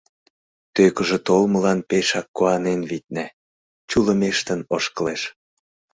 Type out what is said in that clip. Тӧкыжӧ толмылан пешак куанен, витне, чулымештын ошкылеш.